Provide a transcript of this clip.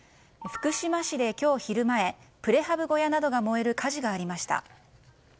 福島市で今日昼前プレハブ小屋などが燃える火事がありました。